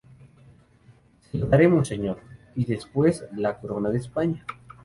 se lo daremos, señor... y después la corona de España.